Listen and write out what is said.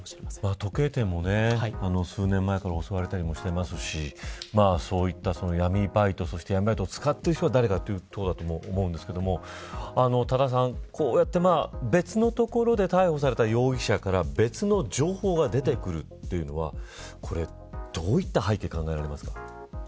時計店も数年前から襲われたりしていますしそういった闇バイトそして闇バイト使ってる人が誰かというところだと思うんですが多田さん、こうやって別のところで逮捕された容疑者から別の情報が出てくるというのはどういった背景が考えられますか。